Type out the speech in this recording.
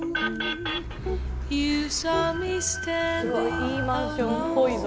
いいマンションっぽいぞ。